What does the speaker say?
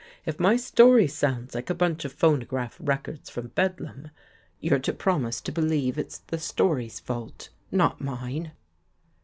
If my story sounds like a bunch of phonograph records from bedlam, you're to promise to believe it's the story's fault, not mine."